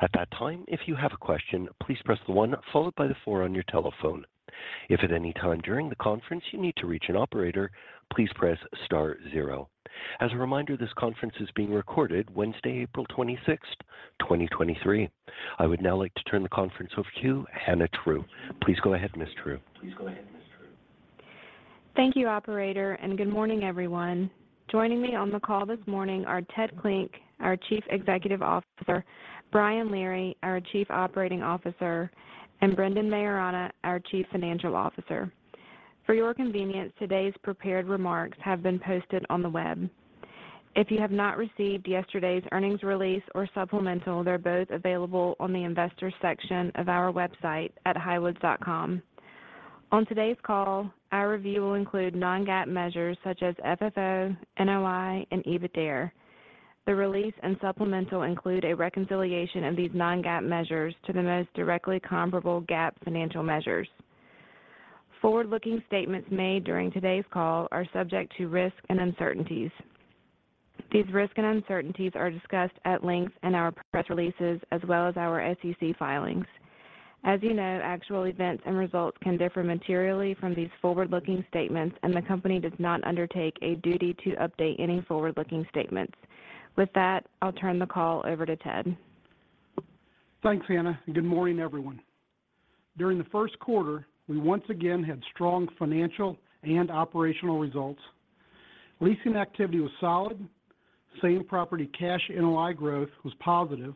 At that time, if you have a question, please press the one followed by the four on your telephone. If at any time during the conference you need to reach an operator, please press star zero. As a reminder, this conference is being recorded Wednesday, April 26th, 2023. I would now like to turn the conference over to you, Hannah True. Please go ahead, Ms. True. Thank you, operator. Good morning, everyone. Joining me on the call this morning are Ted Klinck, our Chief Executive Officer, Brian Leary, our Chief Operating Officer, and Brendan Maiorana, our Chief Financial Officer. For your convenience, today's prepared remarks have been posted on the web. If you have not received yesterday's earnings release or supplemental, they're both available on the investor section of our website at highwoods.com. On today's call, our review will include non-GAAP measures such as FFO, NOI, and EBITDA. The release and supplemental include a reconciliation of these non-GAAP measures to the most directly comparable GAAP financial measures. Forward-looking statements made during today's call are subject to risk and uncertainties. These risks and uncertainties are discussed at length in our press releases as well as our SEC filings. As you know, actual events and results can differ materially from these forward-looking statements, and the company does not undertake a duty to update any forward-looking statements. With that, I'll turn the call over to Ted. Thanks, Hannah. Good morning, everyone. During the first quarter, we once again had strong financial and operational results. Leasing activity was solid. Same-property cash NOI growth was positive.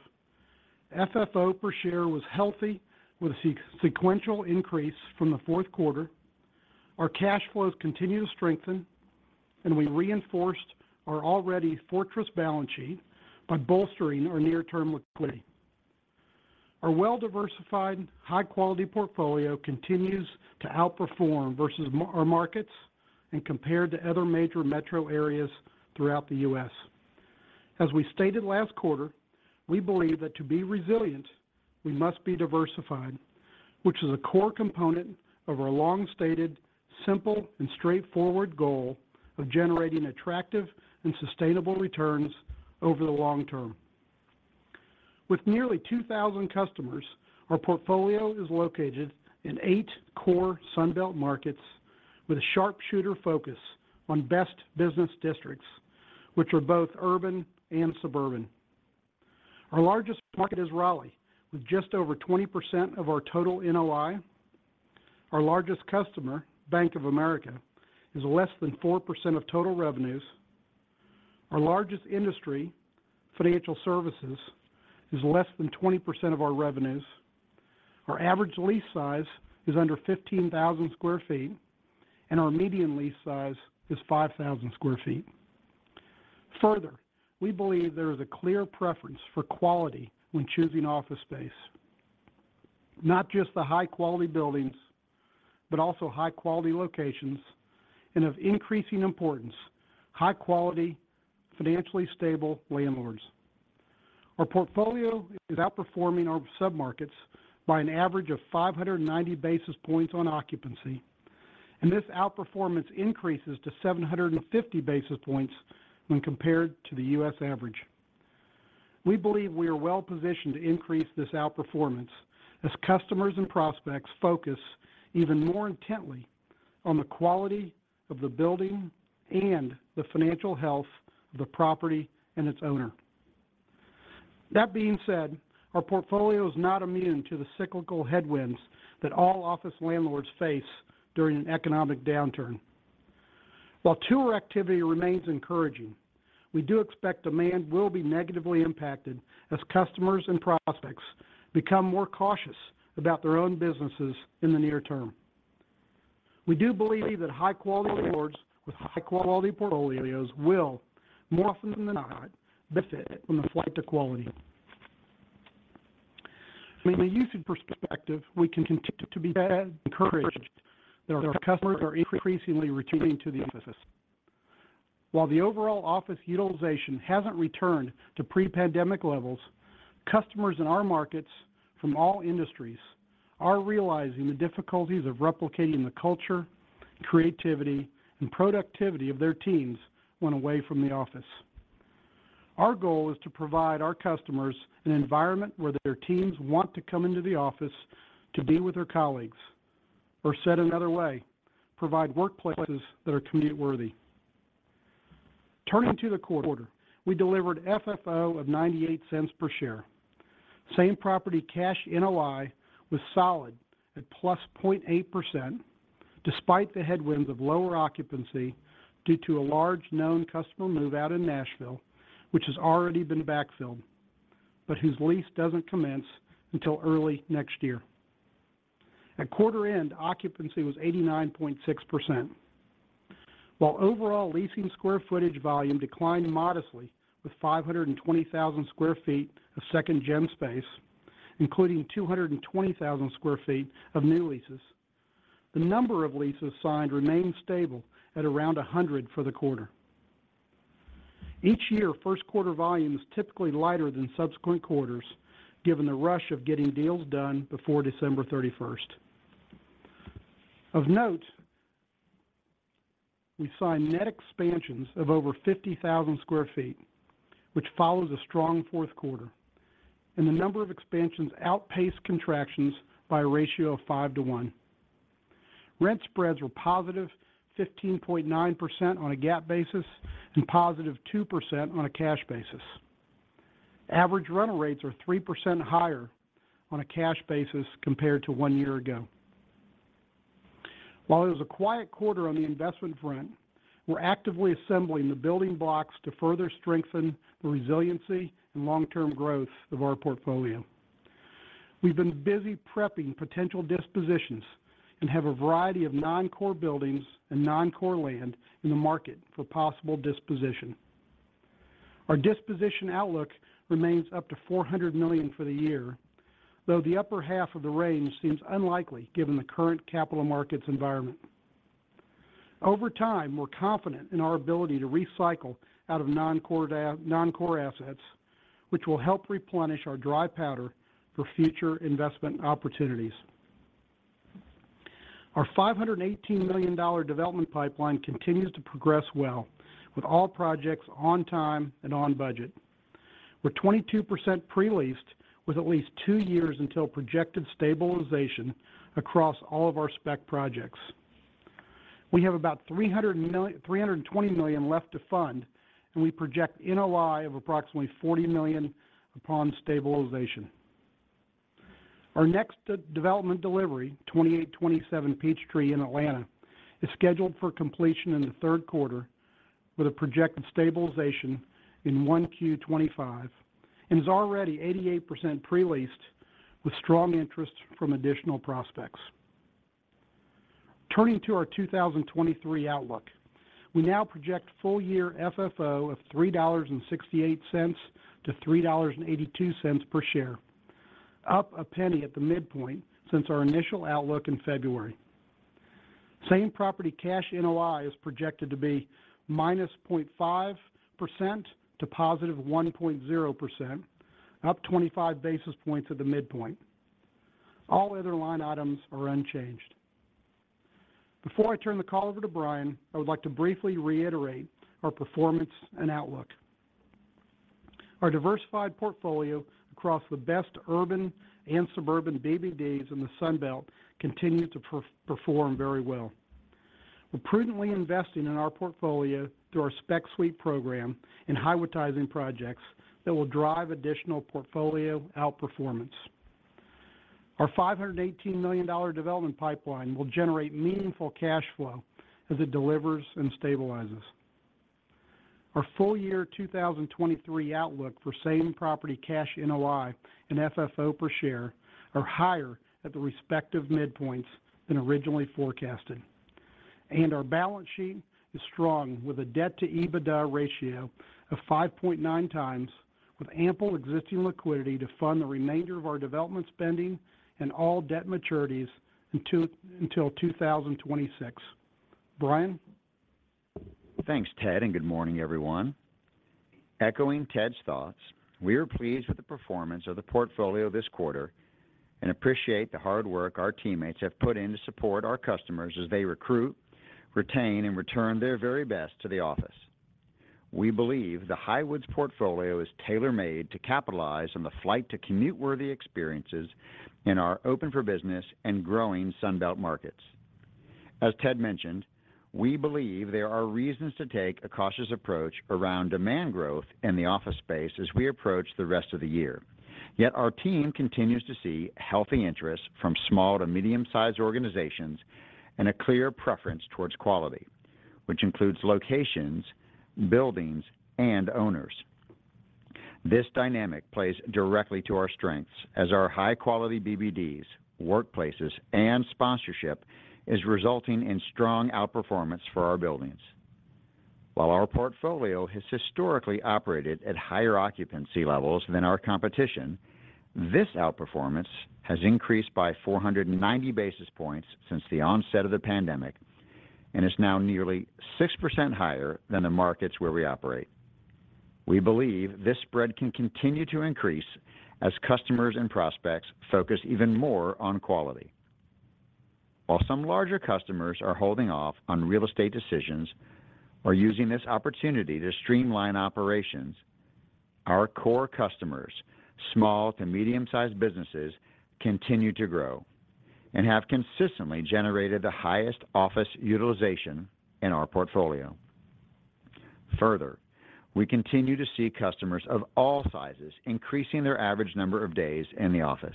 FFO per share was healthy with a sequential increase from the fourth quarter. Our cash flows continue to strengthen. We reinforced our already fortress balance sheet by bolstering our near-term liquidity. Our well-diversified, high-quality portfolio continues to outperform versus our markets and compared to other major metro areas throughout the U.S. As we stated last quarter, we believe that to be resilient, we must be diversified, which is a core component of our long-stated, simple, and straightforward goal of generating attractive and sustainable returns over the long term. With nearly 2,000 customers, our portfolio is located in eight core Sun Belt markets with a sharpshooter focus on Best Business Districts, which are both urban and suburban. Our largest market is Raleigh, with just over 20% of our total NOI. Our largest customer, Bank of America, is less than 4% of total revenues. Our largest industry, financial services, is less than 20% of our revenues. Our average lease size is under 15,000 sq ft, and our median lease size is 5,000 sq ft. Further, we believe there is a clear preference for quality when choosing office space. Not just the high-quality buildings, but also high-quality locations and of increasing importance, high quality, financially stable landlords. Our portfolio is outperforming our submarkets by an average of 590 basis points on occupancy, and this outperformance increases to 750 basis points when compared to the U.S. average. We believe we are well positioned to increase this outperformance as customers and prospects focus even more intently on the quality of the building and the financial health of the property and its owner. That being said, our portfolio is not immune to the cyclical headwinds that all office landlords face during an economic downturn. While tour activity remains encouraging, we do expect demand will be negatively impacted as customers and prospects become more cautious about their own businesses in the near term. We do believe that high-quality landlords with high-quality portfolios will, more often than not, benefit from the flight to quality. From a usage perspective, we continue to be encouraged that our customers are increasingly returning to the offices. While the overall office utilization hasn't returned to pre-pandemic levels, customers in our markets from all industries are realizing the difficulties of replicating the culture, creativity, and productivity of their teams when away from the office. Our goal is to provide our customers an environment where their teams want to come into the office to be with their colleagues, or said another way, provide workplaces that are commute worthy. Turning to the quarter. We delivered FFO of $0.98 per share. Same-property cash NOI was solid at +0.8%, despite the headwinds of lower occupancy due to a large known customer move out in Nashville, which has already been backfilled, but whose lease doesn't commence until early next year. At quarter end, occupancy was 89.6%. While overall leasing square footage volume declined modestly with 520,000 sq ft of second-gen space, including 220,000 sq ft of new leases. The number of leases signed remained stable at around 100 for the quarter. Each year, first quarter volume is typically lighter than subsequent quarters, given the rush of getting deals done before December 31st. Of note, we saw net expansions of over 50,000 sq ft, which follows a strong fourth quarter. The number of expansions outpaced contractions by a ratio of 5:1. Rent spreads were positive 15.9% on a GAAP basis and positive 2% on a cash basis. Average rental rates are 3% higher on a cash basis compared to one year ago. While it was a quiet quarter on the investment front, we're actively assembling the building blocks to further strengthen the resiliency and long-term growth of our portfolio. We've been busy prepping potential dispositions and have a variety of non-core buildings and non-core land in the market for possible disposition. Our disposition outlook remains up to $400 million for the year, though the upper half of the range seems unlikely given the current capital markets environment. Over time, we're confident in our ability to recycle out of non-core assets, which will help replenish our dry powder for future investment opportunities. Our $518 million development pipeline continues to progress well, with all projects on time and on budget. We're 22% pre-leased with at least two years until projected stabilization across all of our spec projects. We have about $320 million left to fund, and we project NOI of approximately $40 million upon stabilization. Our next de-development delivery, 2827 Peachtree in Atlanta, is scheduled for completion in the third quarter with a projected stabilization in 1Q 2025, and is already 88% pre-leased with strong interest from additional prospects. Turning to our 2023 outlook. We now project full year FFO of $3.68-$3.82 per share, up $0.01 at the midpoint since our initial outlook in February. Same property cash NOI is projected to be -0.5% to +1.0%, up 25 basis points at the midpoint. All other line items are unchanged. Before I turn the call over to Brian, I would like to briefly reiterate our performance and outlook. Our diversified portfolio across the best urban and suburban BBDs in the Sun Belt continue to perform very well. We're prudently investing in our portfolio through our spec suite program and Highwoodtizing projects that will drive additional portfolio outperformance. Our $518 million development pipeline will generate meaningful cash flow as it delivers and stabilizes. Our full year 2023 outlook for same property cash NOI and FFO per share are higher at the respective midpoints than originally forecasted. Our balance sheet is strong with a debt to EBITDA ratio of 5.9x, with ample existing liquidity to fund the remainder of our development spending and all debt maturities until 2026. Brian. Thanks, Ted. Good morning, everyone. Echoing Ted's thoughts, we are pleased with the performance of the portfolio this quarter and appreciate the hard work our teammates have put in to support our customers as they recruit, retain, and return their very best to the office. We believe the Highwoods portfolio is tailor-made to capitalize on the flight to commute-worthy experiences in our open for business and growing Sun Belt markets. As Ted mentioned, we believe there are reasons to take a cautious approach around demand growth in the office space as we approach the rest of the year. Our team continues to see healthy interest from small to medium-sized organizations and a clear preference towards quality, which includes locations, buildings, and owners. This dynamic plays directly to our strengths as our high-quality BBDs, workplaces, and sponsorship is resulting in strong outperformance for our buildings. While our portfolio has historically operated at higher occupancy levels than our competition, this outperformance has increased by 490 basis points since the onset of the pandemic, and is now nearly 6% higher than the markets where we operate. We believe this spread can continue to increase as customers and prospects focus even more on quality. While some larger customers are holding off on real estate decisions or using this opportunity to streamline operations, our core customers, small to medium-sized businesses, continue to grow and have consistently generated the highest office utilization in our portfolio. We continue to see customers of all sizes increasing their average number of days in the office.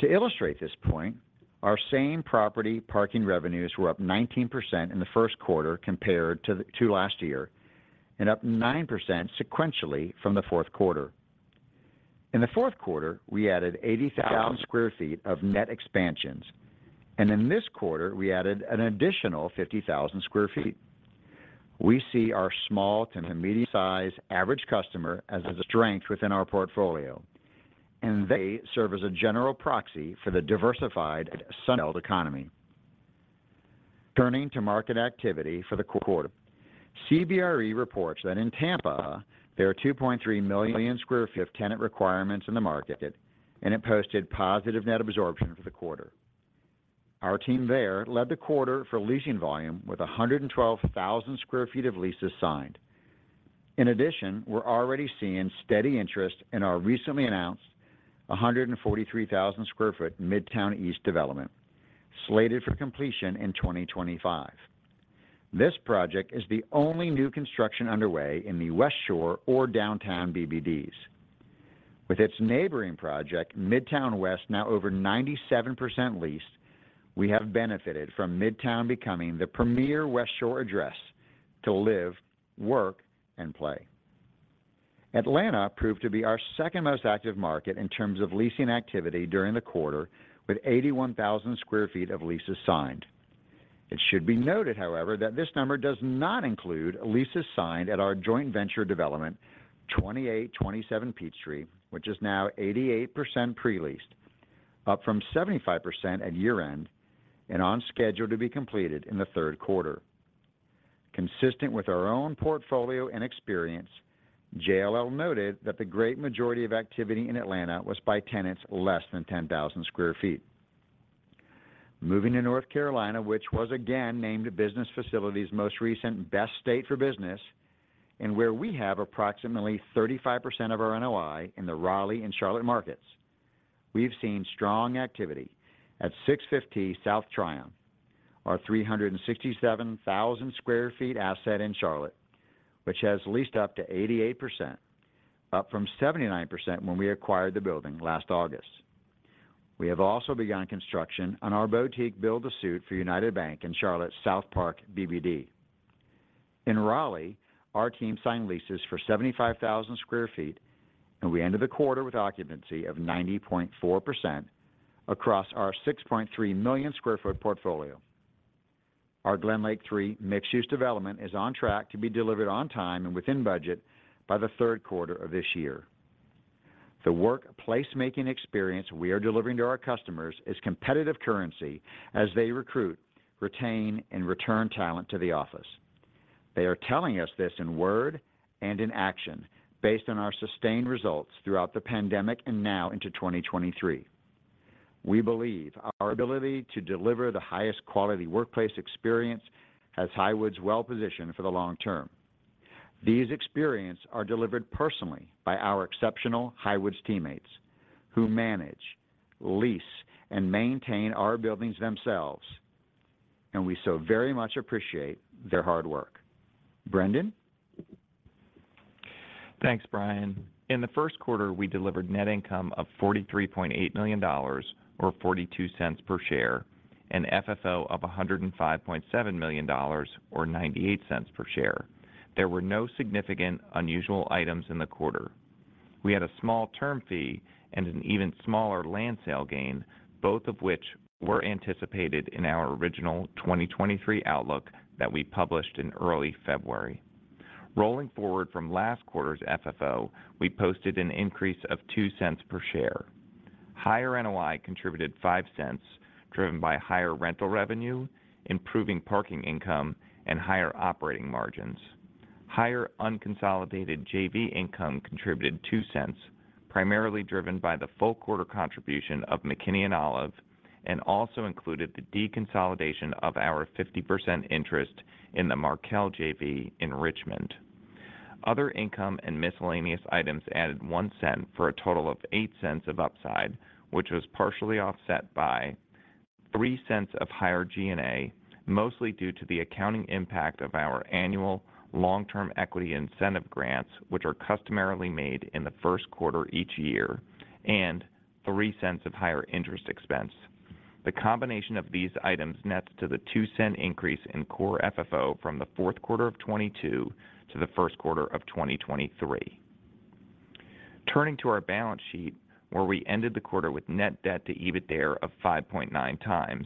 To illustrate this point, our same property parking revenues were up 19% in the first quarter compared to last year, and up 9% sequentially from the fourth quarter. In the fourth quarter, we added 80,000 sq ft of net expansions, and in this quarter, we added an additional 50,000 sq ft. We see our small to medium-sized average customer as a strength within our portfolio, and they serve as a general proxy for the diversified Sun Belt economy. Turning to market activity for the quarter. CBRE reports that in Tampa, there are 2.3 million sq ft of tenant requirements in the market, and it posted positive net absorption for the quarter. Our team there led the quarter for leasing volume with 112,000 sq ft of leases signed. In addition, we're already seeing steady interest in our recently announced 143,000 sq ft Midtown East development, slated for completion in 2025. This project is the only new construction underway in the Westshore or downtown BBDs. With its neighboring project, Midtown West, now over 97% leased, we have benefited from Midtown becoming the premier Westshore address to live, work, and play. Atlanta proved to be our second most active market in terms of leasing activity during the quarter, with 81,000 sq ft of leases signed. It should be noted, however, that this number does not include leases signed at our joint venture development, 2827 Peachtree, which is now 88% pre-leased, up from 75% at year-end, and on schedule to be completed in the third quarter. Consistent with our own portfolio and experience, JLL noted that the great majority of activity in Atlanta was by tenants less than 10,000 sq ft. Moving to North Carolina, which was again named Business Facilities most recent Best State for Business, where we have approximately 35% of our NOI in the Raleigh and Charlotte markets. We've seen strong activity at 650 South Tryon, our 367,000 sq ft asset in Charlotte, which has leased up to 88%, up from 79% when we acquired the building last August. We have also begun construction on our boutique build to suit for United Bank in Charlotte South Park BBD. In Raleigh, our team signed leases for 75,000 sq ft, we ended the quarter with occupancy of 90.4% across our 6.3 million sq ft portfolio. Our GlenLake III mixed-use development is on track to be delivered on time and within budget by the third quarter of this year. The workplace making experience we are delivering to our customers is competitive currency as they recruit, retain, and return talent to the office. They are telling us this in word and in action based on our sustained results throughout the pandemic and now into 2023. We believe our ability to deliver the highest quality workplace experience has Highwoods well positioned for the long term. These experience are delivered personally by our exceptional Highwoods teammates who manage, lease, and maintain our buildings themselves. We so very much appreciate their hard work. Brendan? Thanks, Brian. In the first quarter, we delivered net income of $43.8 million or $0.42 per share and FFO of $105.7 million or $0.98 per share. There were no significant unusual items in the quarter. We had a small term fee and an even smaller land sale gain, both of which were anticipated in our original 2023 outlook that we published in early February. Rolling forward from last quarter's FFO, we posted an increase of $0.02 per share. Higher NOI contributed $0.05, driven by higher rental revenue, improving parking income, and higher operating margins. Higher unconsolidated JV income contributed $0.02, primarily driven by the full quarter contribution of McKinney & Olive and also included the deconsolidation of our 50% interest in the Markel JV in Richmond. Other income and miscellaneous items added $0.01 for a total of $0.08 of upside, which was partially offset by $0.03 of higher G&A, mostly due to the accounting impact of our annual long-term equity incentive grants, which are customarily made in the first quarter each year, and $0.03 of higher interest expense. The combination of these items nets to the $0.02 increase in core FFO from the fourth quarter of 2022 to the first quarter of 2023. Turning to our balance sheet, where we ended the quarter with net debt to EBITDA of 5.9x,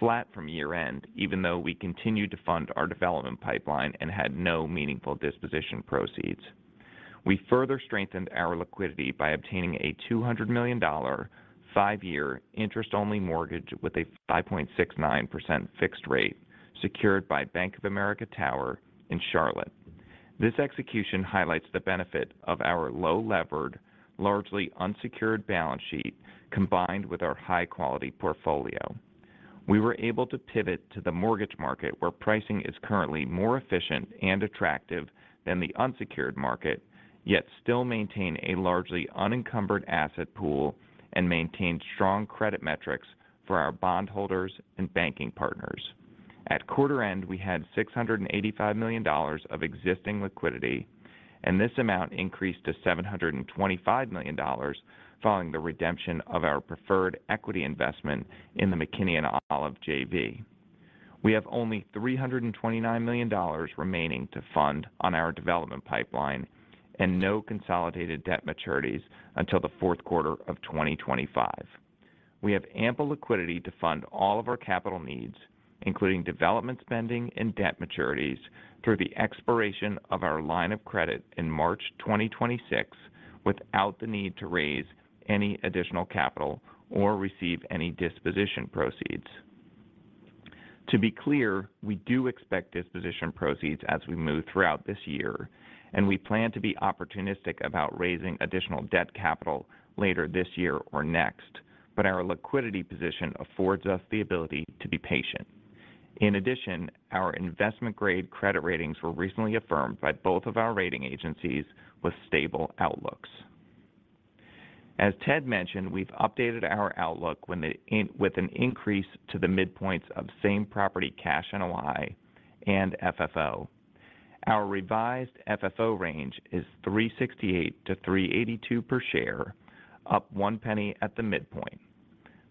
flat from year-end, even though we continued to fund our development pipeline and had no meaningful disposition proceeds. We further strengthened our liquidity by obtaining a $200 million five-year interest-only mortgage with a 5.69% fixed rate secured by Bank of America Tower in Charlotte. This execution highlights the benefit of our low levered, largely unsecured balance sheet combined with our high-quality portfolio. We were able to pivot to the mortgage market where pricing is currently more efficient and attractive than the unsecured market, yet still maintain a largely unencumbered asset pool and maintain strong credit metrics for our bondholders and banking partners. At quarter end, we had $685 million of existing liquidity, and this amount increased to $725 million following the redemption of our preferred equity investment in the McKinney & Olive JV. We have only $329 million remaining to fund on our development pipeline. No consolidated debt maturities until the fourth quarter of 2025. We have ample liquidity to fund all of our capital needs, including development spending and debt maturities through the expiration of our line of credit in March 2026 without the need to raise any additional capital or receive any disposition proceeds. To be clear, we do expect disposition proceeds as we move throughout this year, and we plan to be opportunistic about raising additional debt capital later this year or next, but our liquidity position affords us the ability to be patient. In addition, our investment grade credit ratings were recently affirmed by both of our rating agencies with stable outlooks. As Ted mentioned, we've updated our outlook with an increase to the midpoints of same property cash and NOI and FFO. Our revised FFO range is $3.68-$3.82 per share, up $0.01 at the midpoint.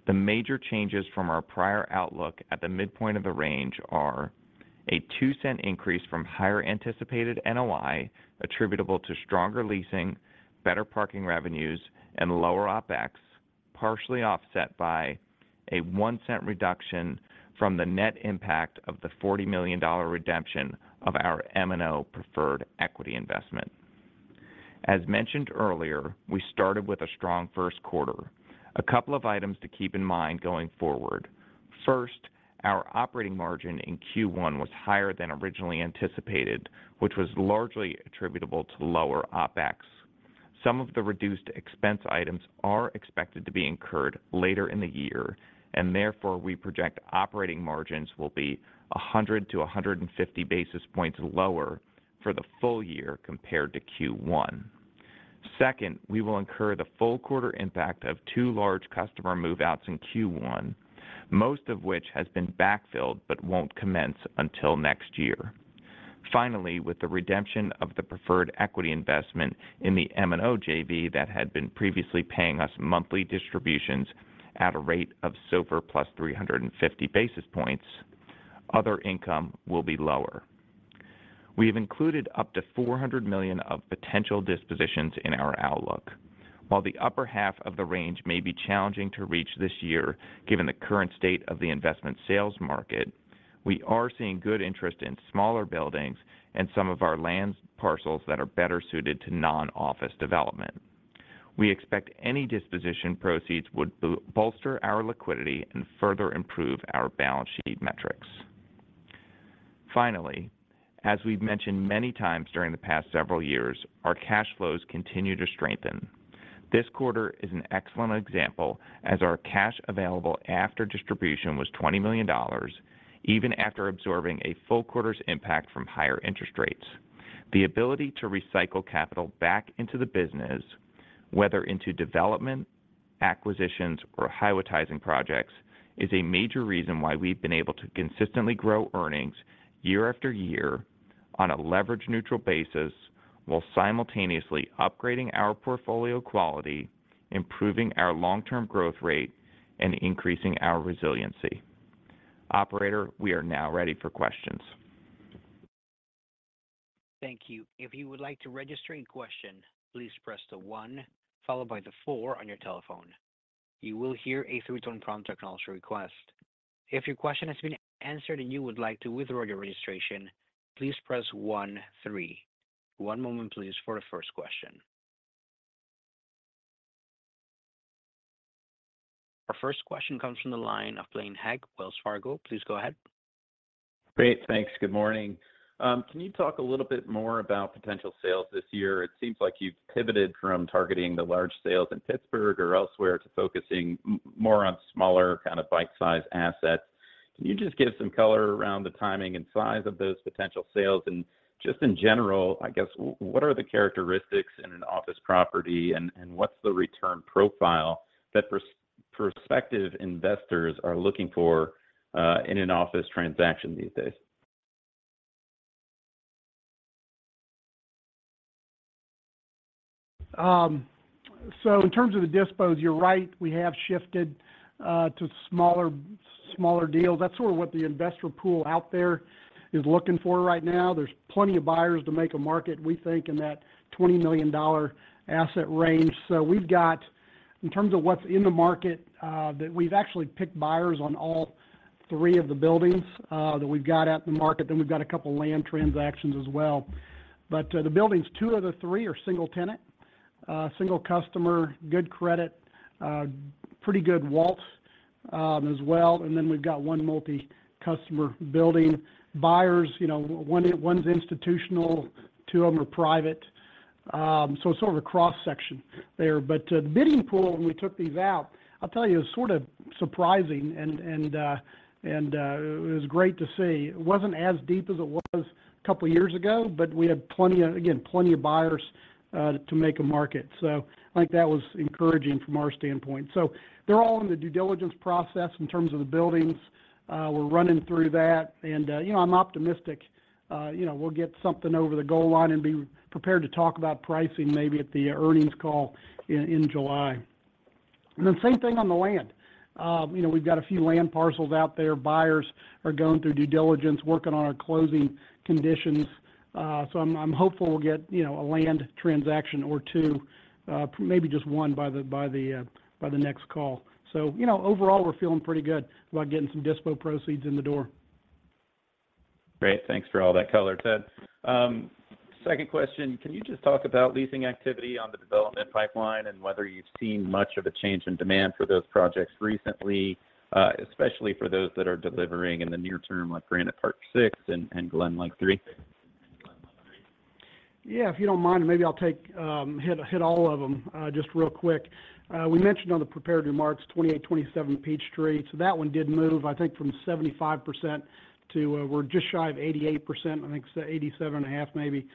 The major changes from our prior outlook at the midpoint of the range are a $0.02 increase from higher anticipated NOI attributable to stronger leasing, better parking revenues, and lower OpEx, partially offset by a $0.01 reduction from the net impact of the $40 million redemption of our M&O preferred equity investment. As mentioned earlier, we started with a strong first quarter. A couple of items to keep in mind going forward. First, our operating margin in Q1 was higher than originally anticipated, which was largely attributable to lower OpEx. Some of the reduced expense items are expected to be incurred later in the year, therefore we project operating margins will be 100 to 150 basis points lower for the full year compared to Q1. Second, we will incur the full quarter impact of two large customer move-outs in Q1, most of which has been backfilled but won't commence until next year. Finally, with the redemption of the preferred equity investment in the M&O JV that had been previously paying us monthly distributions at a rate of SOFR plus 350 basis points, other income will be lower. We have included up to $400 million of potential dispositions in our outlook. While the upper half of the range may be challenging to reach this year, given the current state of the investment sales market, we are seeing good interest in smaller buildings and some of our land parcels that are better suited to non-office development. We expect any disposition proceeds would bolster our liquidity and further improve our balance sheet metrics. Finally, as we've mentioned many times during the past several years, our cash flows continue to strengthen. This quarter is an excellent example as our cash available after distribution was $20 million, even after absorbing a full quarter's impact from higher interest rates. The ability to recycle capital back into the business, whether into development, acquisitions, or Highwoodtizing projects, is a major reason why we've been able to consistently grow earnings year after year on a leverage neutral basis while simultaneously upgrading our portfolio quality, improving our long-term growth rate, and increasing our resiliency. Operator, we are now ready for questions. Thank you. If you would like to register any question, please press the 1 followed by the four on your telephone. You will hear a three-tone prompt acknowledging your request. If your question has been answered and you would like to withdraw your registration, please press one three. One moment please for the first question. Our first question comes from the line of Blaine Heck, Wells Fargo. Please go ahead. Great. Thanks. Good morning. Can you talk a little bit more about potential sales this year? It seems like you've pivoted from targeting the large sales in Pittsburgh or elsewhere to focusing more on smaller kind of bite-sized assets. Can you just give some color around the timing and size of those potential sales? Just in general, I guess, what are the characteristics in an office property and what's the return profile that perspective investors are looking for, in an office transaction these days? In terms of the dispos, you're right, we have shifted to smaller deals. That's sort of what the investor pool out there is looking for right now. There's plenty of buyers to make a market, we think, in that $20 million asset range. We've got, in terms of what's in the market, that we've actually picked buyers on all three of the buildings, that we've got at the market, then we've got a couple land transactions as well. The buildings, two of the three are single tenant, single customer, good credit, pretty good walls, as well, and then we've got one multi-customer building. Buyers, you know, 1's institutional, three of them are private, sort of a cross-section there. The bidding pool when we took these out, I'll tell you, it was sort of surprising and it was great to see. It wasn't as deep as it was couple of years ago, but we had plenty of, again, plenty of buyers to make a market. I think that was encouraging from our standpoint. They're all in the due diligence process in terms of the buildings. We're running through that and, you know, I'm optimistic, you know, we'll get something over the goal line and be prepared to talk about pricing maybe at the earnings call in July. Then same thing on the land. You know, we've got a few land parcels out there. Buyers are going through due diligence, working on our closing conditions. I'm hopeful we'll get, you know, a land transaction or two, maybe just one by the next call. You know, overall, we're feeling pretty good about getting some dispo proceeds in the door. Great. Thanks for all that color, Ted. Second question, can you just talk about leasing activity on the development pipeline and whether you've seen much of a change in demand for those projects recently, especially for those that are delivering in the near term, like Granite Park 6 and GlenLake III? Yeah. If you don't mind, maybe I'll take, hit all of them, just real quick. We mentioned on the prepared remarks, 2827 Peachtree. That one did move, I think, from 75% to we're just shy of 88%, I think it's 87.5% maybe,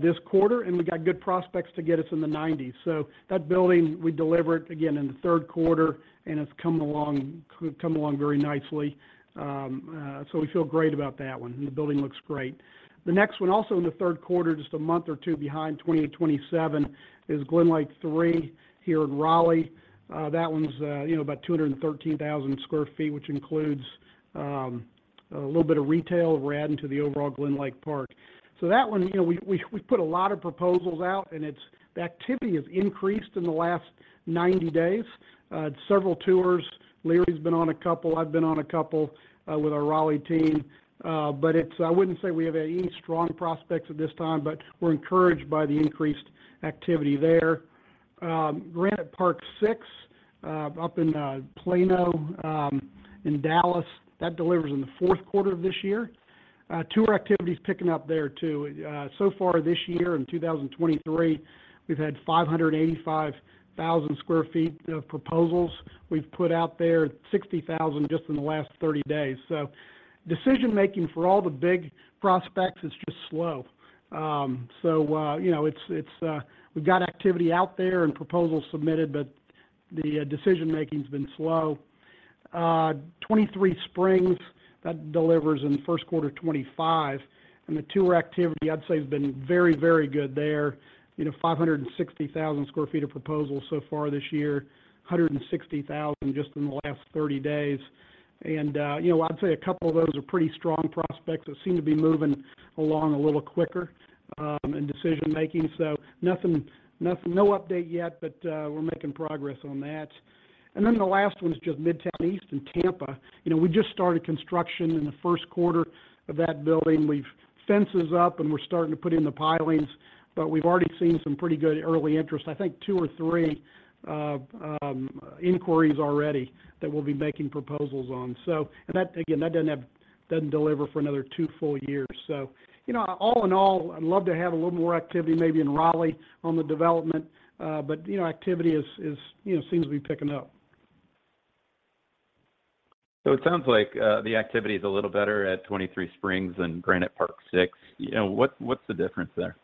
this quarter, and we've got good prospects to get us in the 90s. That building, we deliver it again in the third quarter, and it's coming along, come along very nicely, so we feel great about that one. The building looks great. The next one, also in the third quarter, just a one or two months behind 2827, is GlenLake III here in Raleigh. That one's, you know, about 213,000 sq ft, which includes a little bit of retail we're adding to the overall GlenLake Park. That one, you know, we put a lot of proposals out, and it's... The activity has increased in the last 90 days. Several tours. Leary been on a couple, I've been on a couple, with our Raleigh team. I wouldn't say we have any strong prospects at this time, but we're encouraged by the increased activity there. Granite Park 6, up in Plano, in Dallas, that delivers in the fourth quarter of this year. Tour activity is picking up there too. So far this year, in 2023, we've had 585,000 sq ft of proposals we've put out there, 60,000 just in the last 30 days. Decision-making for all the big prospects is just slow. You know, it's, we've got activity out there and proposals submitted, but the decision-making's been slow. 23Springs, that delivers in the first quarter of 2025, and the tour activity, I'd say, has been very, very good there. You know, 560,000 sq ft of proposals so far this year, 160,000 just in the last 30 days. You know, I'd say a couple of those are pretty strong prospects that seem to be moving along a little quicker in decision-making. No update yet, we're making progress on that. The last one is just Midtown East in Tampa. You know, we just started construction in the first quarter of that building. Fence is up, and we're starting to put in the pilings, but we've already seen some pretty good early interest. I think two or three inquiries already that we'll be making proposals on. That, again, that doesn't deliver for another two full years. You know, all in all, I'd love to have a little more activity maybe in Raleigh on the development, but, you know, activity is, you know, seems to be picking up. It sounds like, the activity is a little better at 23Springs than Granite Park 6. You know, what's the difference there?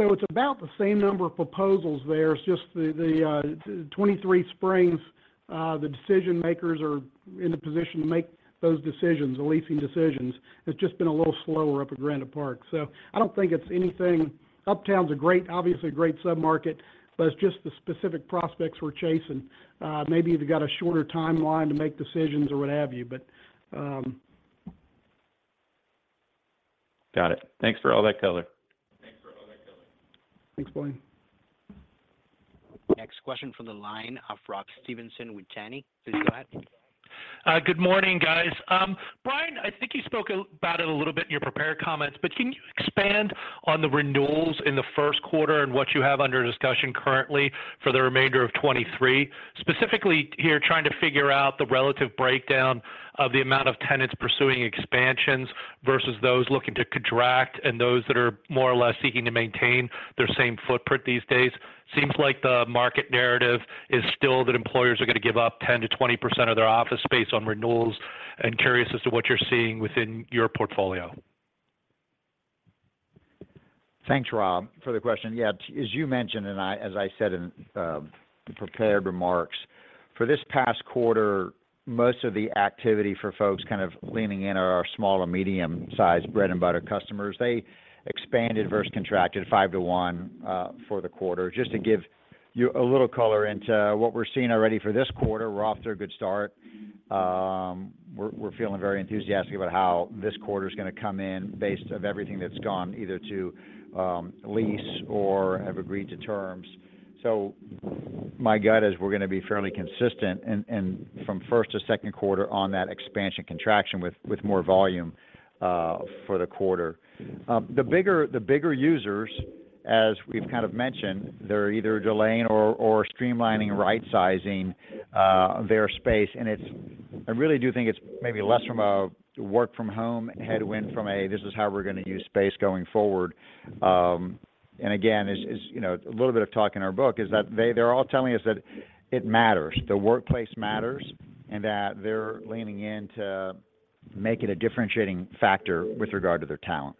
It's about the same number of proposals there. It's just the 23Springs, the decision-makers are in a position to make those decisions, the leasing decisions. It's just been a little slower up at Granite Park. I don't think it's anything... Uptown's a great, obviously a great sub-market, it's just the specific prospects we're chasing. Maybe they've got a shorter timeline to make decisions or what have you. Got it. Thanks for all that color. Thanks, Blaine. Next question from the line of Rob Stevenson with Janney. Please go ahead. Good morning, guys. Brian, I think you spoke about it a little bit in your prepared comments, but can you expand on the renewals in the first quarter and what you have under discussion currently for the remainder of 2023? Specifically here trying to figure out the relative breakdown of the amount of tenants pursuing expansions versus those looking to contract and those that are more or less seeking to maintain their same footprint these days. Seems like the market narrative is still that employers are gonna give up 10%-20% of their office space on renewals. Curious as to what you're seeing within your portfolio. Thanks, Rob, for the question. As you mentioned, as I said in prepared remarks, for this past quarter, most of the activity for folks kind of leaning in are our small or medium-sized bread and butter customers. They expanded versus contracted 5:1 for the quarter. Just to give you a little color into what we're seeing already for this quarter, we're off to a good start. We're feeling very enthusiastic about how this quarter's going to come in based of everything that's gone either to lease or have agreed to terms. My gut is we're going to be fairly consistent and from first to second quarter on that expansion contraction with more volume for the quarter. The bigger users, as we've kind of mentioned, they're either delaying or streamlining, right-sizing their space. I really do think it's maybe less from a work from home headwind, this is how we're gonna use space going forward. Again, you know, a little bit of talk in our book is that they're all telling us that it matters. The workplace matters, and that they're leaning in to make it a differentiating factor with regard to their talent.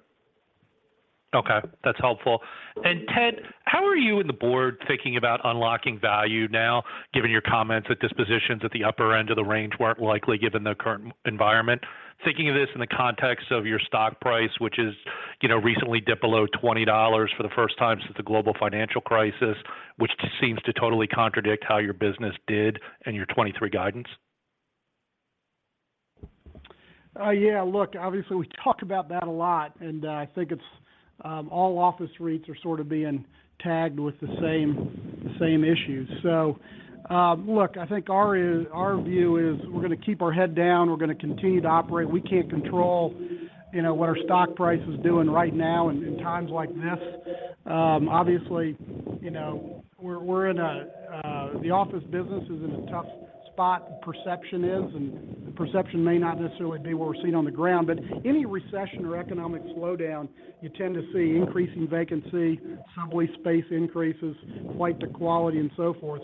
Okay, that's helpful. Ted, how are you and the Board thinking about unlocking value now, given your comments that dispositions at the upper end of the range weren't likely given the current environment? Thinking of this in the context of your stock price, which has, you know, recently dipped beow $20 for the first time since the Global Financial Crisis, which seems to totally contradict how your business did and your 2023 guidance. Yeah, look, obviously we talk about that a lot, and I think it's all office rates are sort of being tagged with the same, the same issues. Look, I think our view is we're gonna keep our head down. We're gonna continue to operate. We can't control, you know, what our stock price is doing right now in times like this. Obviously, you know, we're in a... the office business is in a tough spot, perception is, and perception may not necessarily be what we're seeing on the ground. Any recession or economic slowdown, you tend to see increasing vacancy, sublet space increases, flight to quality and so forth.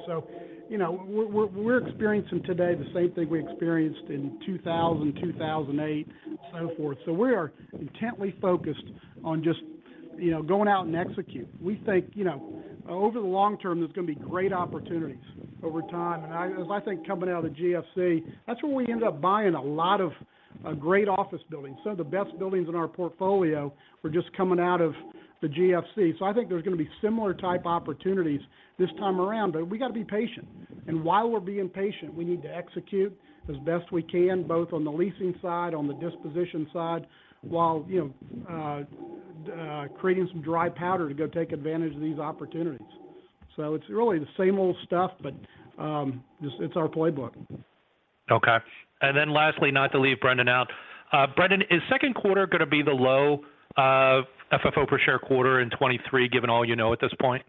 You know, we're experiencing today the same thing we experienced in 2000, 2008, so forth. We are intently focused on just, you know, going out and execute. We think, you know, over the long term, there's gonna be great opportunities over time. As I think coming out of the GFC, that's where we end up buying a lot of great office buildings. Some of the best buildings in our portfolio were just coming out of the GFC. I think there's gonna be similar type opportunities this time around, but we got to be patient. While we're being patient, we need to execute as best we can, both on the leasing side, on the disposition side, while, you know, creating some dry powder to go take advantage of these opportunities. It's really the same old stuff, but just it's our playbook. Okay. Then lastly, not to leave Brendan out. Brendan, is second quarter going to be the low FFO per share quarter in 2023, given all you know at this point?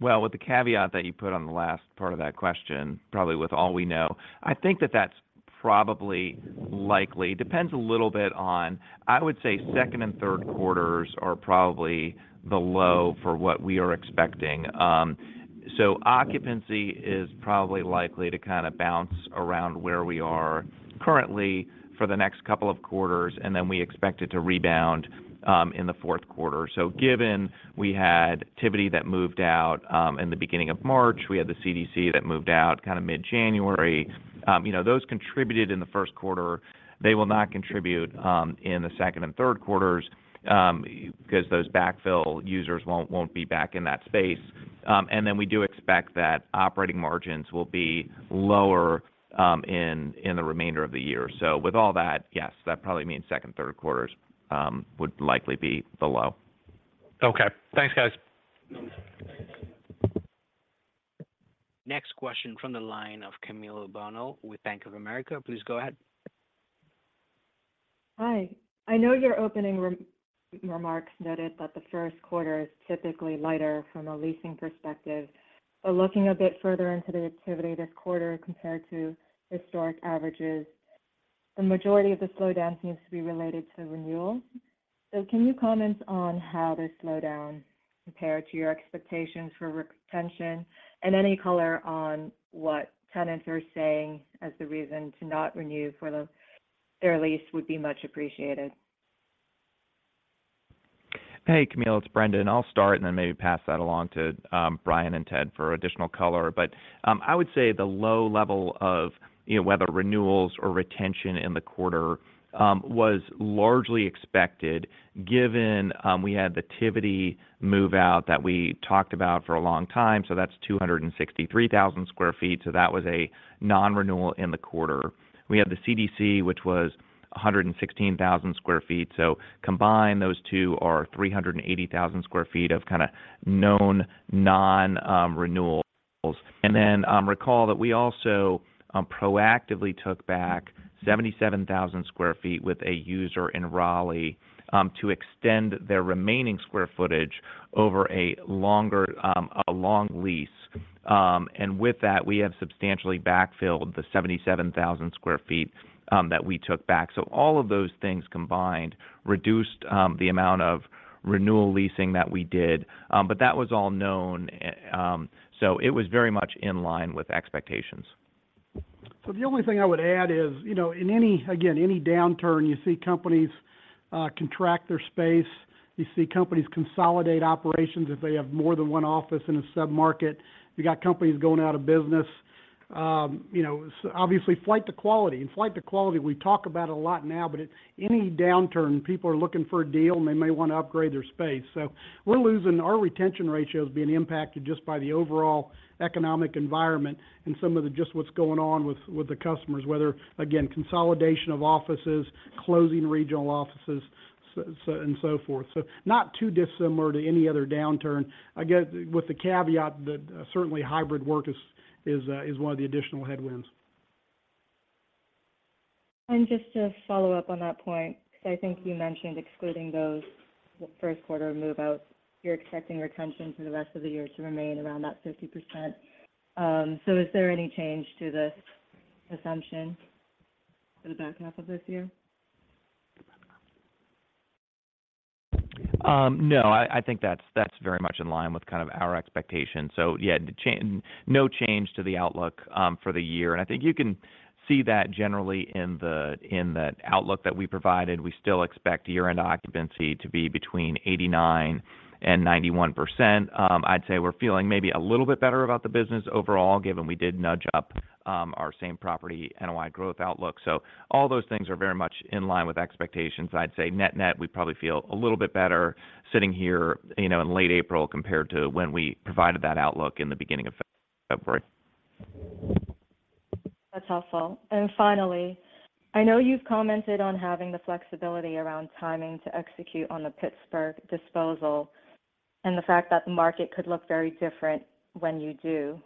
Well, with the caveat that you put on the last part of that question, probably with all we know, I think that that's probably likely. Depends a little bit on, I would say second and third quarters are probably the low for what we are expecting. Occupancy is probably likely to kind of bounce around where we are currently for the next couple of quarters, and then we expect it to rebound in the fourth quarter. Given we had Tivity that moved out in the beginning of March, we had the CDC that moved out kind of mid-January, you know, those contributed in the first quarter. They will not contribute in the second and third quarters because those backfill users won't be back in that space. We do expect that operating margins will be lower, in the remainder of the year. With all that, yes, that probably means second and third quarters would likely be the low. Okay. Thanks, guys. Next question from the line of Camille Bonnel with Bank of America Corporation. Please go ahead. Hi. I know your opening re-remarks noted that the first quarter is typically lighter from a leasing perspective. Looking a bit further into the activity this quarter compared to historic averages, the majority of the slowdown seems to be related to renewals. Can you comment on how this slowdown compared to your expectations for retention and any color on what tenants are saying as the reason to not renew for their lease would be much appreciated. Hey, Camille, it's Brendan. I'll start and then maybe pass that along to Brian and Ted for additional color. I would say the low level of, you know, whether renewals or retention in the quarter was largely expected given we had the Tivity move-out that we talked about for a long time. That's 263,000 sq ft. That was a non-renewal in the quarter. We had the CDC, which was 116,000 sq ft. Combined, those two are 380,000 sq ft of kind of known non-renewals. Recall that we also proactively took back 77,000 sq ft with a user in Raleigh to extend their remaining square footage over a longer, a long lease. With that, we have substantially backfilled the 77,000 sq ft that we took back. All of those things combined reduced the amount of renewal leasing that we did. That was all known, so it was very much in line with expectations. The only thing I would add is, you know, in any, again, any downturn, you see companies contract their space. You see companies consolidate operations if they have more than one office in a sub-market. You got companies going out of business. You know, obviously flight to quality. Flight to quality, we talk about it a lot now, but any downturn, people are looking for a deal, and they may wanna upgrade their space. We're losing. Our retention ratio is being impacted just by the overall economic environment and some of the just what's going on with the customers, whether, again, consolidation of offices, closing regional offices, so and so forth. Not too dissimilar to any other downturn. Again, with the caveat that certainly hybrid work is one of the additional headwinds. Just to follow up on that point, because I think you mentioned excluding those first quarter move-outs, you're expecting retention for the rest of the year to remain around that 50%. Is there any change to this assumption for the back half of this year? No, I think that's very much in line with kind of our expectation. Yeah, no change to the outlook for the year. I think you can see that generally in the outlook that we provided. We still expect year-end occupancy to be between 89% and 91%. I'd say we're feeling maybe a little bit better about the business overall, given we did nudge up our same property NOI growth outlook. All those things are very much in line with expectations. I'd say net-net, we probably feel a little bit better sitting here, you know, in late April compared to when we provided that outlook in the beginning of February. That's helpful. Finally, I know you've commented on having the flexibility around timing to execute on the Pittsburgh disposal and the fact that the market could look very different when you do.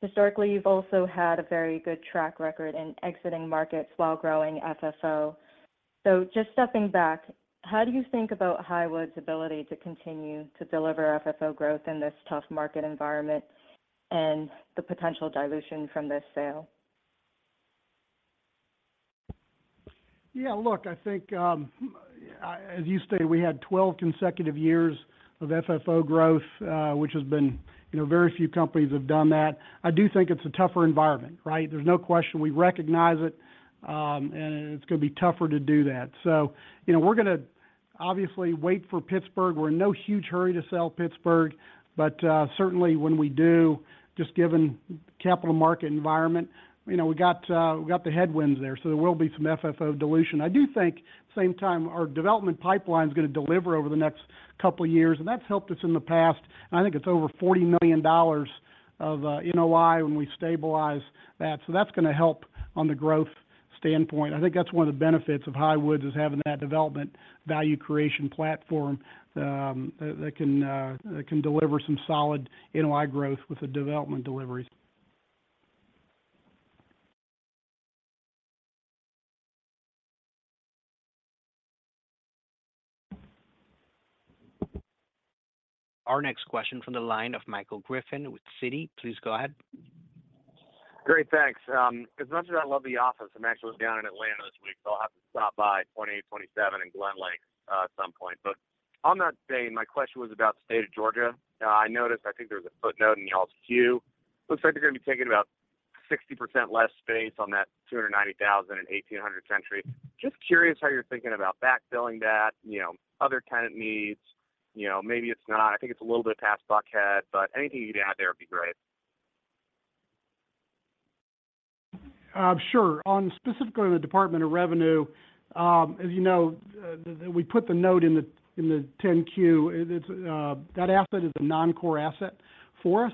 Historically, you've also had a very good track record in exiting markets while growing FFO. Just stepping back, how do you think about Highwoods' ability to continue to deliver FFO growth in this tough market environment and the potential dilution from this sale? Yeah, look, I think, as you stated, we had 12 consecutive years of FFO growth, which has been, you know, very few companies have done that. I do think it's a tougher environment, right? There's no question we recognize it, and it's gonna be tougher to do that. You know, we're gonna obviously wait for Pittsburgh. We're in no huge hurry to sell Pittsburgh. Certainly when we do, just given capital market environment, you know, we got the headwinds there, so there will be some FFO dilution. I do think same time our development pipeline is gonna deliver over the next couple of years, and that's helped us in the past, and I think it's over $40 million of NOI when we stabilize that. That's gonna help on the growth standpoint. I think that's one of the benefits of Highwoods is having that development value creation platform, that can deliver some solid NOI growth with the development deliveries. Our next question from the line of Michael Griffin with Citi. Please go ahead. Great. Thanks. As much as I love the office, I'm actually down in Atlanta this week, so I'll have to stop by 2827 in GlenLake at some point. On that vein, my question was about the state of Georgia. I noticed, I think there was a footnote in y'all's 10-Q. Looks like they're gonna be taking about 60% less space on that 290,000 in 1800 Century Boulevard. Just curious how you're thinking about backfilling that, other tenant needs. You know, maybe it's not. I think it's a little bit past Buckhead, anything you can add there would be great. Sure. On specifically the Department of Revenue, as you know, we put the note in the, in the 10-Q. It's that asset is a non-core asset for us.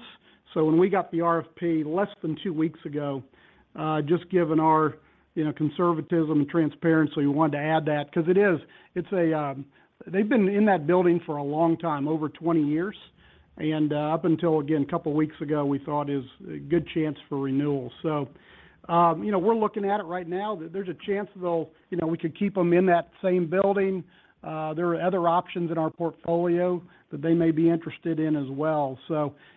When we got the RFP less than two weeks ago, just given our, you know, conservatism and transparency, we wanted to add that because it is. It's a. They've been in that building for a long time, over 20 years. Up until, again, a couple of weeks ago, we thought is a good chance for renewal. You know, we're looking at it right now. There's a chance, though, you know, we could keep them in that same building. There are other options in our portfolio that they may be interested in as well.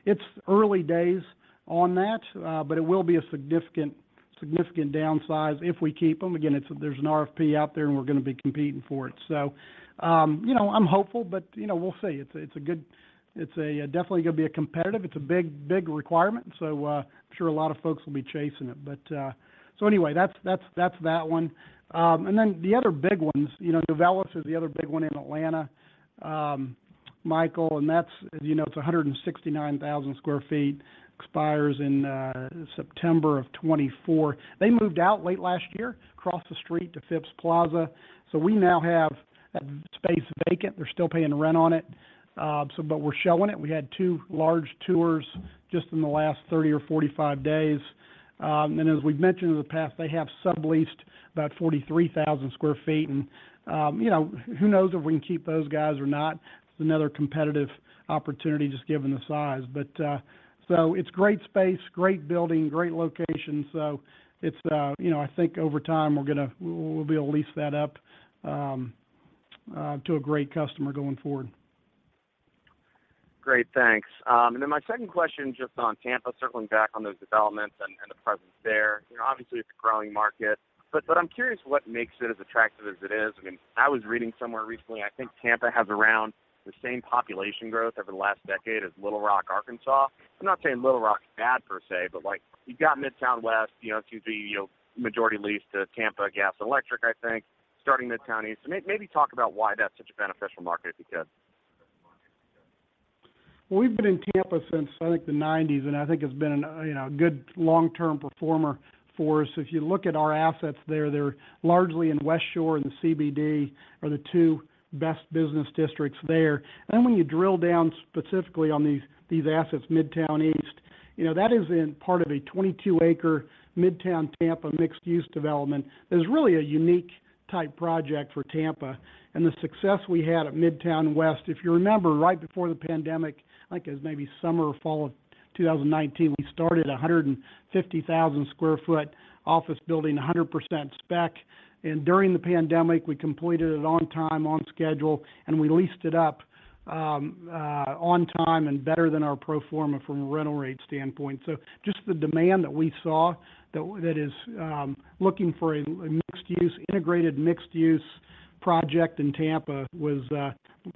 It's early days on that, but it will be a significant downsize if we keep them. Again, there's an RFP out there, and we're going to be competing for it. You know, I'm hopeful, but, you know, we'll see. It's a definitely going to be a competitive. It's a big requirement. I'm sure a lot of folks will be chasing it. That's that one. The other big ones, you know, the other big one in Atlanta, Michael, that's, as you know, it's 169,000 sq ft, expires in September of 2024. They moved out late last year across the street to Phipps Plaza. We now have that space vacant. They're still paying rent on it. But we're showing it. We had two large tours just in the last 30 or 45 days. As we've mentioned in the past, they have subleased about 43,000 sq ft. You know, who knows if we can keep those guys or not. It's another competitive opportunity just given the size. It's great space, great building, great location. You know, I think over time, we'll be able to lease that up to a great customer going forward. Great. Thanks. My second question just on Tampa, circling back on those developments and the presence there. You know, obviously, it's a growing market. I'm curious what makes it as attractive as it is. I mean, I was reading somewhere recently. I think Tampa has around the same population growth over the last decade as Little Rock, Arkansas. I'm not saying Little Rock is bad per se, but, like, you've got Midtown West, you know, two, three, you know, majority lease to Tampa Gas Electric, I think, starting Midtown East. Maybe talk about why that's such a beneficial market if you could? We've been in Tampa since, I think, the 90s, and I think it's been, you know, a good long-term performer for us. If you look at our assets there, they're largely in Westshore and the CBD are the two best business districts there. When you drill down specifically on these assets, Midtown East, you know, that is in part of a 22-acre Midtown Tampa mixed-use development. That's really a unique type project for Tampa. The success we had at Midtown West, if you remember, right before the pandemic, I think it was maybe summer or fall of 2019, we started a 150,000 sq ft office building, 100% spec. During the pandemic, we completed it on time, on schedule, and we leased it up on time and better than our pro forma from a rental rate standpoint. Just the demand that we saw that is looking for a mixed-use, integrated mixed-use project in Tampa was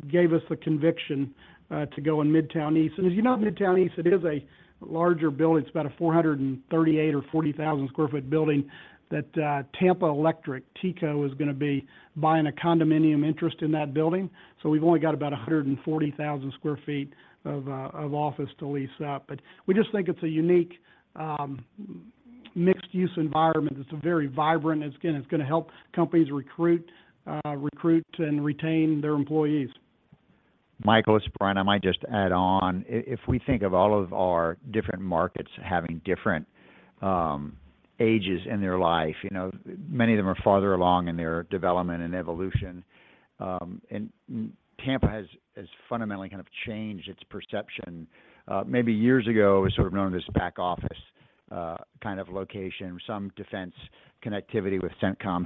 gave us the conviction to go in Midtown East. As you know, Midtown East, it is a larger building. It's about a 438,000 or 40,000 sq ft building that Tampa Electric, TECO, is gonna be buying a condominium interest in that building. We've only got about 140,000 sq ft of office to lease up. We just think it's a unique mixed-use environment. It's a very vibrant. It's gonna help companies recruit and retain their employees. Michael, it's Brian. I might just add on. If we think of all of our different markets having different ages in their life, you know, many of them are farther along in their development and evolution. Tampa has fundamentally kind of changed its perception. Maybe years ago, it was sort of known as this back office kind of location, some defense connectivity with CENTCOM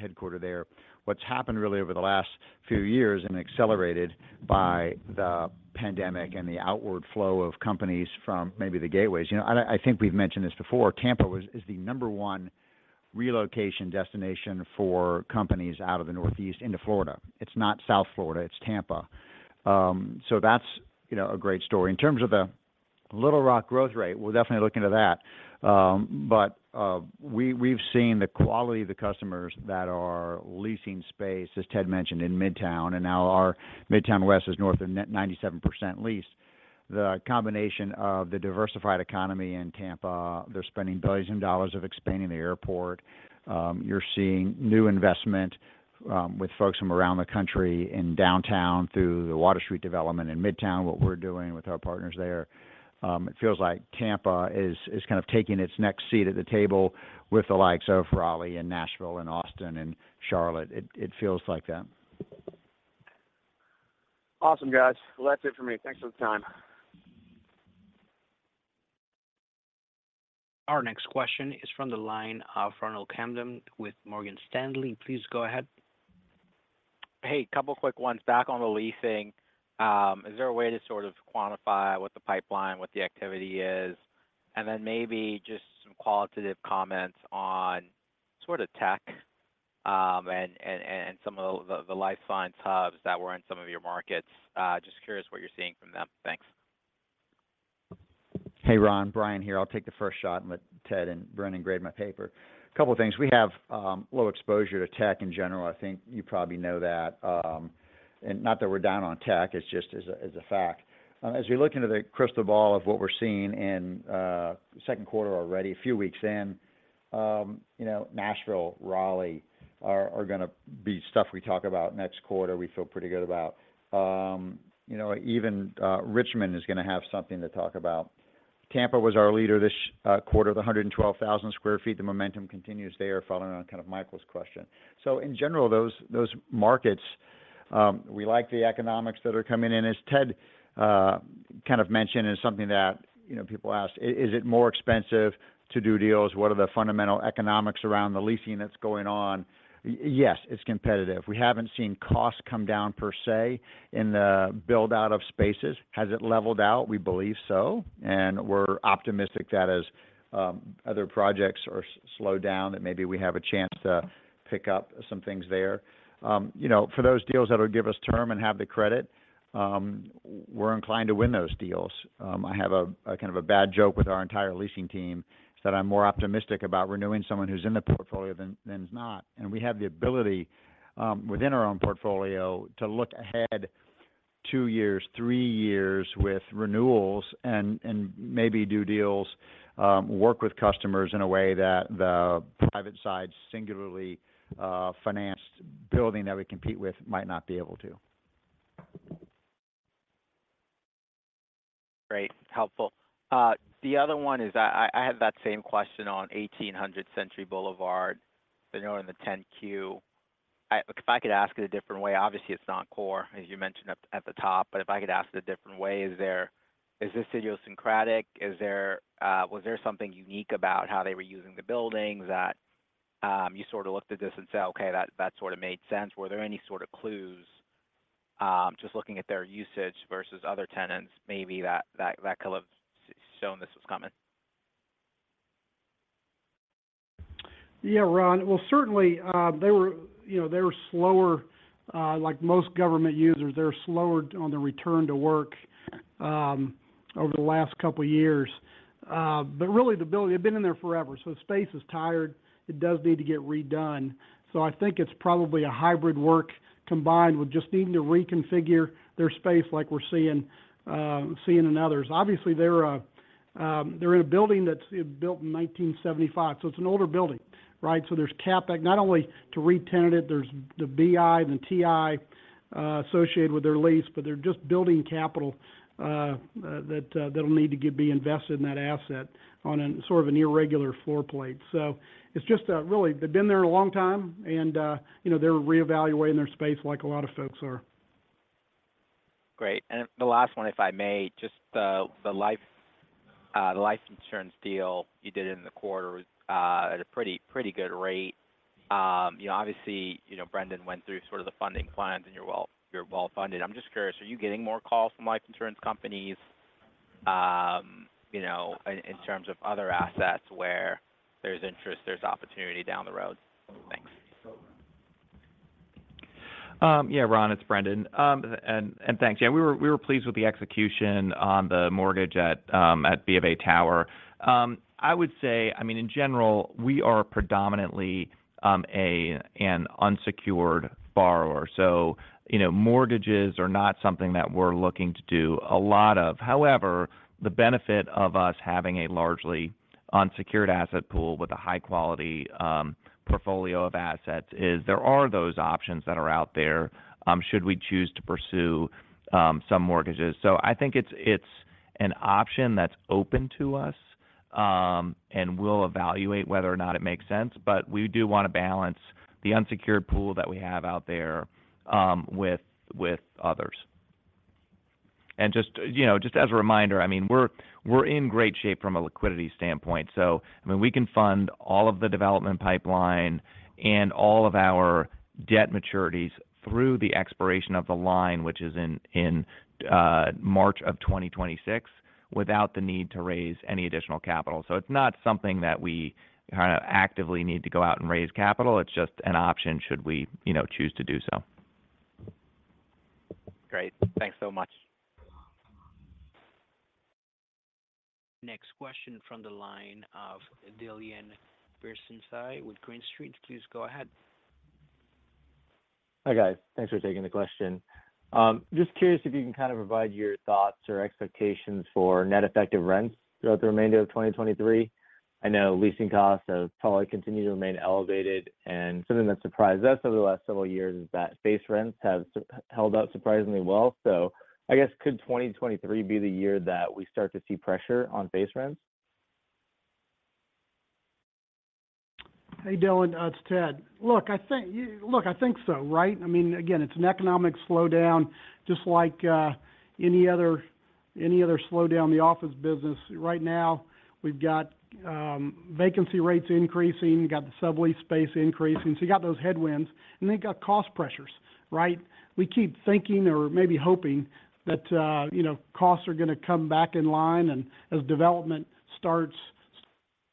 headquartered there. What's happened really over the last few years and accelerated by the pandemic and the outward flow of companies from maybe the gateways. You know, I think we've mentioned this before. Tampa is the number 1 relocation destination for companies out of the Northeast into Florida. It's not South Florida, it's Tampa. That's, you know, a great story. In terms of the Little Rock growth rate, we'll definitely look into that. We've seen the quality of the customers that are leasing space, as Ted mentioned, in Midtown, and now our Midtown West is north of net 97% leased. The combination of the diversified economy in Tampa. They're spending billions of dollars of expanding the airport. You're seeing new investment with folks from around the country in downtown through the Water Street development in Midtown, what we're doing with our partners there. It feels like Tampa is kind of taking its next seat at the table with the likes of Raleigh, Nashville, Austin, and Charlotte. It feels like that. Awesome, guys. That's it for me. Thanks for the time. Our next question is from the line of Ronald Kamdem with Morgan Stanley. Please go ahead. Hey, a couple of quick ones. Back on the leasing, is there a way to sort of quantify what the pipeline, what the activity is? Then maybe just some qualitative comments on sort of tech, and some of the life science hubs that were in some of your markets. Just curious what you're seeing from them. Thanks. Hey, Ronald. Brian here. I'll take the first shot, let Ted and Brendan grade my paper. A couple of things. We have low exposure to tech in general. I think you probably know that. Not that we're down on tech, it's just as a fact. As we look into the crystal ball of what we're seeing in second quarter already, a few weeks in, you know, Nashville, Raleigh are gonna be stuff we talk about next quarter, we feel pretty good about. You know, even Richmond is gonna have something to talk about. Tampa was our leader this quarter, the 112,000 sq ft. The momentum continues there, following on kind of Michael's question. In general, those markets, we like the economics that are coming in. As Ted kind of mentioned, and it's something that, you know, people ask, is it more expensive to do deals? What are the fundamental economics around the leasing that's going on? Yes, it's competitive. We haven't seen costs come down per se in the build-out of spaces. Has it leveled out? We believe so, and we're optimistic that as other projects are slow down, that maybe we have a chance to pick up some things there. You know, for those deals that'll give us term and have the credit, we're inclined to win those deals. I have a kind of a bad joke with our entire leasing team, is that I'm more optimistic about renewing someone who's in the portfolio than is not. We have the ability, within our own portfolio to look ahead two years, three years with renewals and maybe do deals, work with customers in a way that the private side singularly, financed building that we compete with might not be able to. Great. Helpful. The other one is I have that same question on 1800 Century Boulevard that went in the 10-Q. If I could ask it a different way, obviously it's not core, as you mentioned at the top, but if I could ask it a different way, is this idiosyncratic? Was there something unique about how they were using the building that you sort of looked at this and said, "Okay, that sort of made sense?" Were there any sort of clues, just looking at their usage versus other tenants maybe that could have shown this was coming? Yeah, Ron. Certainly, they were, you know, they were slower, like most government users, they were slower on the return to work, over the last couple of years. Really the building. They've been in there forever, so the space is tired. It does need to get redone. I think it's probably a hybrid work combined with just needing to reconfigure their space like we're seeing in others. Obviously, they're in a building that's built in 1975, so it's an older building, right? There's CapEx not only to re-tenant it, there's the BI, the TI, associated with their lease, but they're just building capital, that'll need to be invested in that asset on a sort of an irregular floor plate. It's just, really they've been there a long time and, you know, they're reevaluating their space like a lot of folks are. Great. The last one, if I may, just the life insurance deal you did in the quarter at a pretty good rate. Obviously, Brendan went through sort of the funding plans and you're well-funded. I'm just curious, are you getting more calls from life insurance companies in terms of other assets where there's interest, there's opportunity down the road? Thanks. Yeah, Ron, it's Brendan, and thanks. We were pleased with the execution on the mortgage at BofA Tower. I would say, I mean, in general, we are predominantly a an unsecured borrower. You know, mortgages are not something that we're looking to do a lot of. However, the benefit of us having a largely unsecured asset pool with a high-quality portfolio of assets is there are those options that are out there, should we choose to pursue some mortgages. I think it's an option that's open to us, and we'll evaluate whether or not it makes sense. We do wanna balance the unsecured pool that we have out there with others. Just, you know, just as a reminder, I mean, we're in great shape from a liquidity standpoint. I mean, we can fund all of the development pipeline and all of our debt maturities through the expiration of the line, which is in March of 2026, without the need to raise any additional capital. It's not something that we kinda actively need to go out and raise capital. It's just an option should we, you know, choose to do so. Great. Thanks so much. Next question from the line of Dylan Burzinski with Green Street. Please go ahead. Hi, guys. Thanks for taking the question. Just curious if you can kind of provide your thoughts or expectations for net effective rents throughout the remainder of 2023. I know leasing costs have probably continued to remain elevated, something that surprised us over the last several years is that base rents have held up surprisingly well. I guess could 2023 be the year that we start to see pressure on base rents? Hey, Dylan. It's Ted. Look, I think so, right? I mean, again, it's an economic slowdown just like any other slowdown the office business. Right now, we've got vacancy rates increasing, we've got the sublease space increasing. You got those headwinds, and then you got cost pressures, right? We keep thinking or maybe hoping that, you know, costs are gonna come back in line. As development starts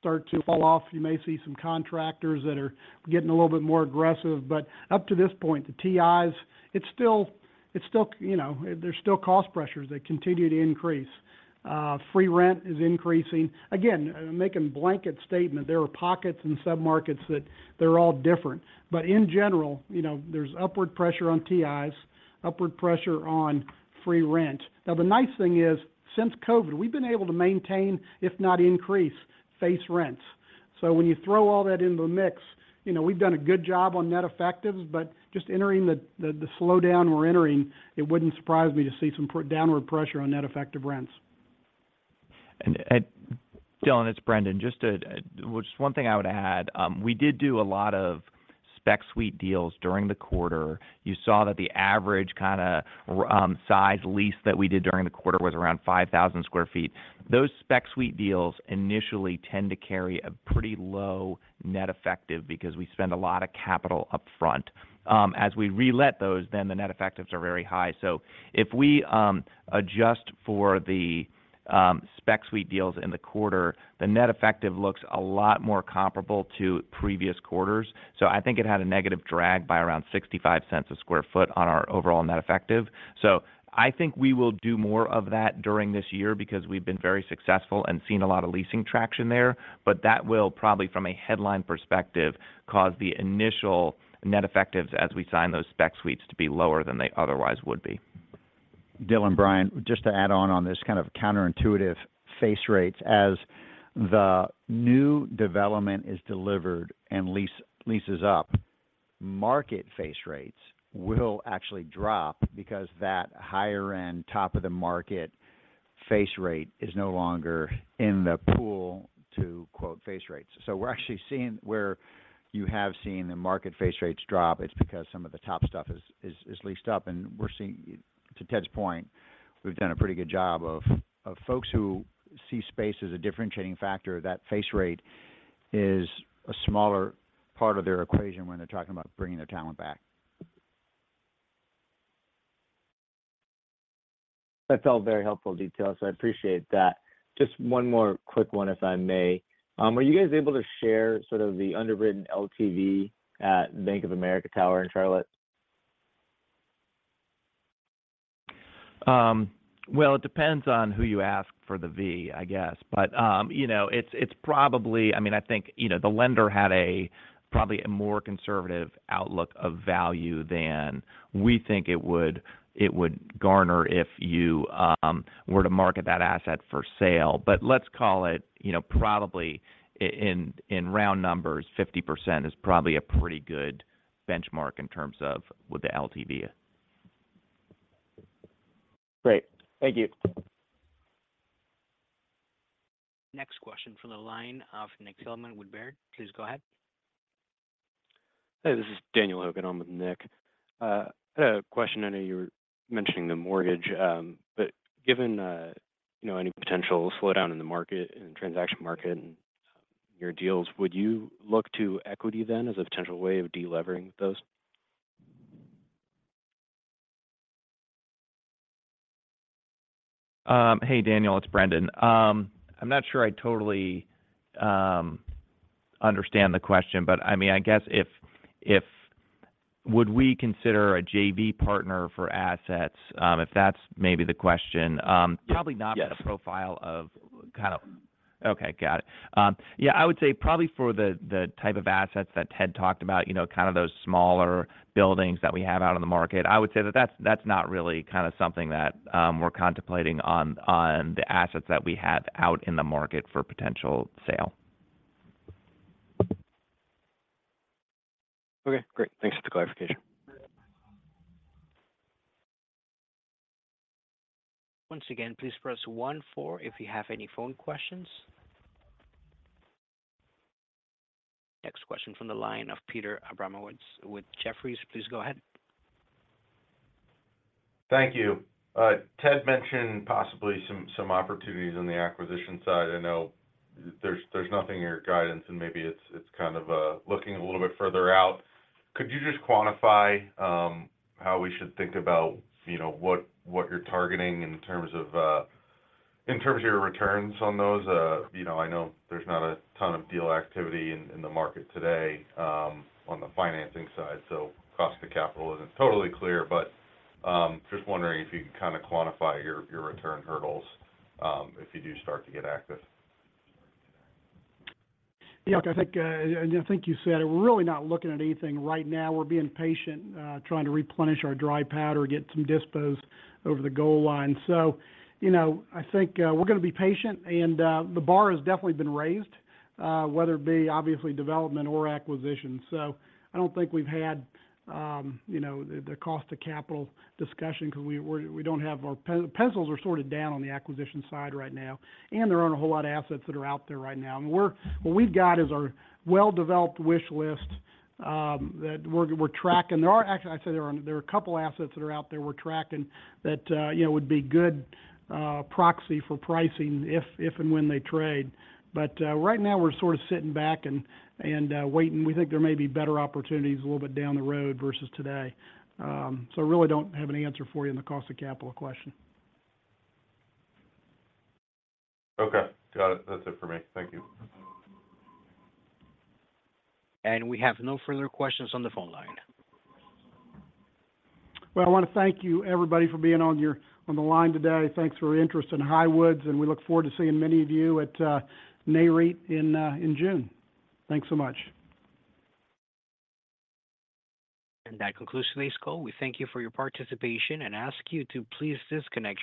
to fall off, you may see some contractors that are getting a little bit more aggressive. Up to this point, the TIs, it's still, you know, there's still cost pressures that continue to increase. Free rent is increasing. Again, making a blanket statement, there are pockets in sub-markets that they're all different. In general, you know, there's upward pressure on TIs, upward pressure on free rent. The nice thing is, since COVID, we've been able to maintain, if not increase, face rents. When you throw all that into the mix, you know, we've done a good job on net effectives, but just entering the slowdown we're entering, it wouldn't surprise me to see some downward pressure on net effective rents. Dylan, it's Brendan. Just one thing I would add. We did do a lot of spec suite deals during the quarter. You saw that the average kinda size lease that we did during the quarter was around 5,000 sq ft. Those spec suite deals initially tend to carry a pretty low net effective because we spend a lot of capital upfront. As we relet those, then the net effectives are very high. If we adjust for the spec suite deals in the quarter, the net effective looks a lot more comparable to previous quarters. I think it had a negative drag by around $0.65 a square foot on our overall net effective. I think we will do more of that during this year because we've been very successful and seen a lot of leasing traction there. That will probably, from a headline perspective, cause the initial net effectives as we sign those spec suites to be lower than they otherwise would be. Dylan, Brian. Just to add on on this kind of counterintuitive face rates. As the new development is delivered and leases up, market face rates will actually drop because that higher end top of the market face rate is no longer in the pool to quote face rates. We're actually seeing where you have seen the market face rates drop. It's because some of the top stuff is leased up, and we're seeing. To Ted's point, we've done a pretty good job of folks who see space as a differentiating factor. That face rate is a smaller part of their equation when they're talking about bringing their talent back. That's all very helpful detail. I appreciate that. Just one more quick one, if I may. Were you guys able to share sort of the underwritten LTV at Bank of America Tower in Charlotte? Well, it depends on who you ask for the V, I guess. You know, it's probably... I mean, I think, you know, the lender had a probably a more conservative outlook of value than we think it would, it would garner if you were to market that asset for sale. Let's call it, you know, probably in round numbers, 50% is probably a pretty good benchmark in terms of with the LTV. Great. Thank you. Next question from the line of Nick Thillman with Baird. Please go ahead. Hey, this is Daniel Leben on with Nick. I had a question. I know you were mentioning the mortgage, but given, you know, any potential slowdown in the market, in the transaction market and your deals, would you look to equity then as a potential way of delevering those? Hey, Daniel. It's Brendan. I'm not sure I totally understand the question. I mean, I guess if Would we consider a JV partner for assets? If that's maybe the question. Probably not the profile of kind of. Okay, got it. Yeah, I would say probably for the type of assets that Ted talked about, you know, kind of those smaller buildings that we have out in the market, I would say that that's not really kind of something that, we're contemplating on the assets that we have out in the market for potential sale. Okay, great. Thanks for the clarification. Once again, please press one-four if you have any phone questions. Next question from the line of Peter Abramowitz with Jefferies. Please go ahead. Thank you. Ted mentioned possibly some opportunities on the acquisition side. I know there's nothing in your guidance, and maybe it's kind of looking a little bit further out. Could you just quantify how we should think about, you know, what you're targeting in terms of your returns on those? You know, I know there's not a ton of deal activity in the market today, on the financing side, so cost of capital isn't totally clear. Just wondering if you could kinda quantify your return hurdles if you do start to get active. I think you said it. We're really not looking at anything right now. We're being patient, trying to replenish our dry powder, get some dispos over the goal line. You know, I think we're gonna be patient and the bar has definitely been raised, whether it be obviously development or acquisition. I don't think we've had, you know, the cost of capital discussion because we don't have Our pen-pencils are sorted down on the acquisition side right now, and there aren't a whole lot of assets that are out there right now. What we've got is our well-developed wish list that we're tracking. There are actually, I'd say there are a couple assets that are out there we're tracking that, you know, would be good proxy for pricing if and when they trade. Right now we're sort of sitting back and waiting. We think there may be better opportunities a little bit down the road versus today. Really don't have any answer for you in the cost of capital question. Okay, got it. That's it for me. Thank you. We have no further questions on the phone line. Well, I wanna thank you, everybody, for being on the line today. Thanks for your interest in Highwoods, and we look forward to seeing many of you at Nareit in June. Thanks so much. That concludes today's call. We thank you for your participation and ask you to please disconnect.